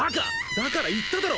だから言っただろ！